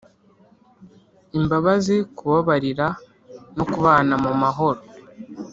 imbabazi kubabarira no kubana mu mahoro